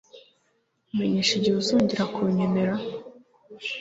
Menyesha igihe uzongera kunkenera.